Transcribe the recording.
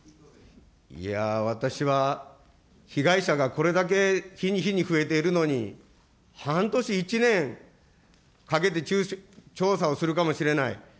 いや、私は被害者がこれだけ日に日に増えているのに、半年、１年かけて調査をするかもしれない。